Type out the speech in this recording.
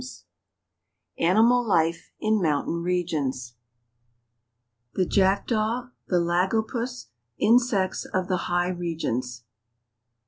0 ANIMAL LIFE IN MOUNTAIN REGIONS. THE JACKDAW — THE LAGOPUS—INSECTS OF THE HIGH REGIONS.